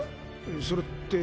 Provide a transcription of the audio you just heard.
それって。